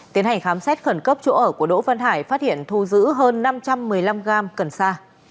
tiến hành khám xét khẩn cấp chỗ ở của đỗ văn hải phát hiện thu giữ hơn năm trăm một mươi năm gram cần sa